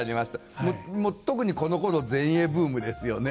特にこのころ前衛ブームですよね。